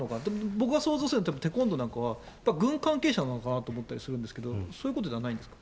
僕が想像するに、テコンドーなんかは軍関係者なのかなと思ったりするんですが、そういうことではないんですか。